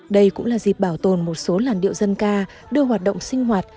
đây cũng là dịp bảo tồn một số làn điệu dân ca đưa hoạt động sinh hoạt